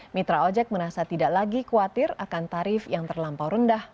mitra ojek merasa tidak lagi khawatir akan tarif yang terlampau rendah